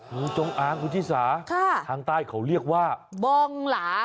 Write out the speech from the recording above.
งูจงอางคุณชิสาทางใต้เขาเรียกว่าบองหลา